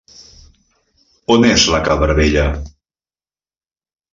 On és la cabra vella?